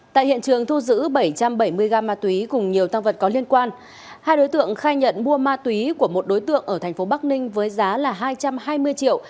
tại hiện trường thu giữ bảy trăm bảy mươi g ma túy cùng nhiều tăng vật có liên quan hai đối tượng khai nhận mua ma túy của một đối tượng ở thành phố bắc ninh với giá là hai trăm hai mươi triệu